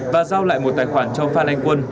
và giao lại một tài khoản cho phan anh quân